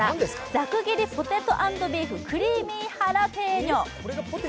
ザク切りポテト＆ビーフクリーミーハラペーニョ。